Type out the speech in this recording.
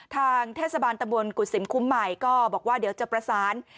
ทางเทศบาลตะบนกุศิมคุ้มใหม่ก็บอกว่าเดี๋ยวจะประสาน